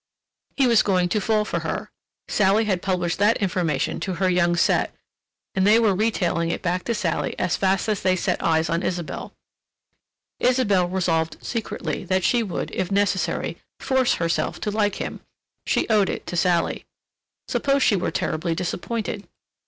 He was going to fall for her.... Sally had published that information to her young set and they were retailing it back to Sally as fast as they set eyes on Isabelle. Isabelle resolved secretly that she would, if necessary, force herself to like him—she owed it to Sally. Suppose she were terribly disappointed.